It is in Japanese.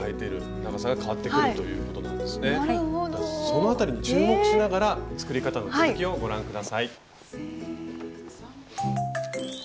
その辺りに注目しながら作り方の続きをご覧下さい。